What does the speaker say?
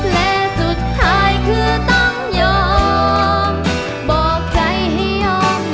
และสุดท้ายคือต้องยอมบอกใจให้ยอม